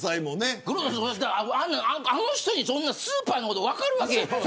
あの人に、スーパーのこと分かるわけない。